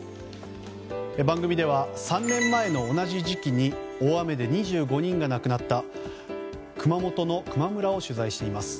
番組では３年前の同じ時期に大雨で２５人が亡くなった熊本の球磨村を取材しています。